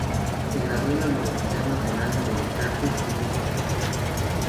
Se graduó en la Universidad Nacional de Bellas Artes y Música de Tokio.